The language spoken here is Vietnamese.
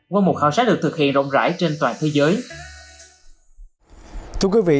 qua một khảo sát được thực hiện rộng rãi trên toàn thế giới